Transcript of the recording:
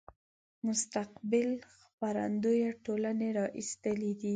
مستقبل خپرندويه ټولنې را ایستلی دی.